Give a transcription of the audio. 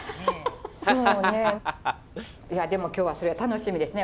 いやでも今日はそれが楽しみですね！